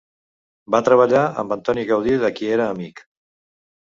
Va treballar amb Antoni Gaudí, de qui era amic.